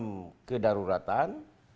mengaktifkan alarm kedaruratan